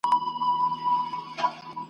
مګر که د پیغام له اړخه ورته وکتل سي `